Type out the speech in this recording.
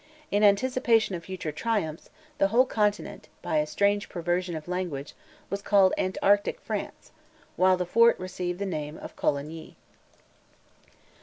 In anticipation of future triumphs, the whole continent, by a strange perversion of language, was called Antarctic France, while the fort received the name of Coligny.